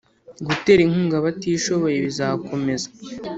gutera inkunga abatishoboye bizakomeza